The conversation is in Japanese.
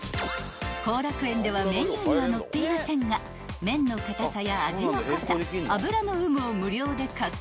［幸楽苑ではメニューには載っていませんが麺の硬さや味の濃さ脂の有無を無料でカスタマイズ可能］